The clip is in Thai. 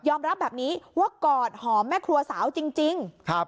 รับแบบนี้ว่ากอดหอมแม่ครัวสาวจริง